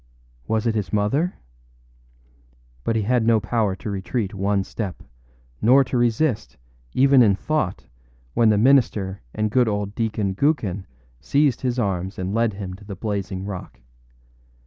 Was it his mother? But he had no power to retreat one step, nor to resist, even in thought, when the minister and good old Deacon Gookin seized his arms and led him to the blazing rock.